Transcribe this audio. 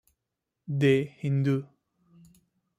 The Hindu.